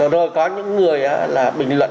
rồi có những người bình luận